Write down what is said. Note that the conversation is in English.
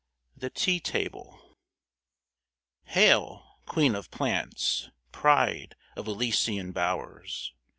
THE TEA TABLE Hail, Queen of Plants, Pride of Elysian Bow'rs!